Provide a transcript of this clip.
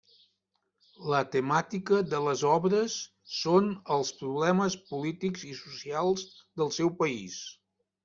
La temàtica de les obres són els problemes polítics i socials del seu país.